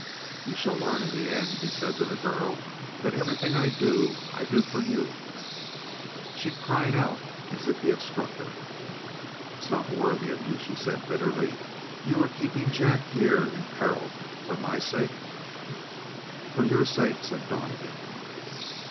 "You shall learn in the end," he said to the girl, "that everything I do, I do for you." She cried out as if he had struck her. "It's not worthy of you," she said bitterly. "You are keeping Jack here in peril for my sake?" "For your sake," said Donnegan.